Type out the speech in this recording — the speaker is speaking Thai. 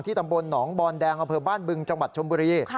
ที่ตำบลหนองบอลแดงอบบึงจังหวัดชมบุรี